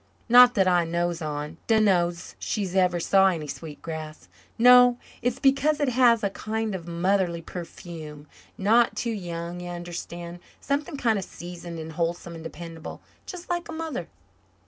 "Not that I knows on. Dunno's she ever saw any sweet grass. No, it's because it has a kind of motherly perfume not too young, you understand something kind of seasoned and wholesome and dependable just like a mother."